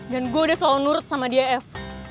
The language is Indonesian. dan gua udah selalu nurut sama dia ef